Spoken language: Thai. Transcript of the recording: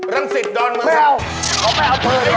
รังสิตดอนมโมนเหรอวะเดี๋ยว